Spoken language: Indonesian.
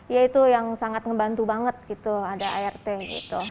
ya itu yang sangat ngebantu banget gitu ada art gitu